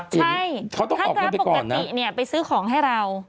ใช่เขาต้องออกเงินไปก่อนถ้าปกติไปซื้อของให้เรา